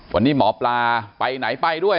วันนี้หมอปลาไปไหนไปด้วย